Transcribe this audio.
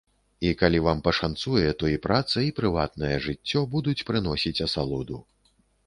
І калі вам пашанцуе, то і праца, і прыватнае жыццё будуць прыносіць асалоду.